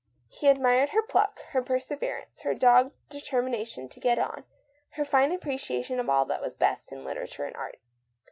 He admired her pluck, her perseverance, her dogged determination to get on, her fine appreciation of all that was best in literature and art.